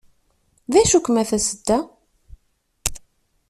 D acu-kem a tasedda?